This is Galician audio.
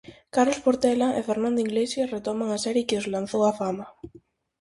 Carlos Portela e Fernando Iglesias retoman a serie que os lanzou á fama.